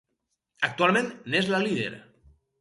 Actualment n'és la líder.